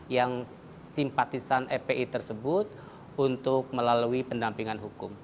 yang simpatisan fpi tersebut untuk melalui pendampingan hukum